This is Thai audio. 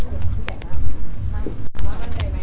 ตอนนี้ก็ถามว่าอยู่ข้างใน